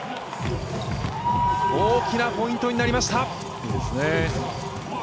大きなポイントになりました。